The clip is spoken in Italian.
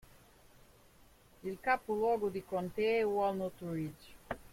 Il capoluogo di contea è Walnut Ridge.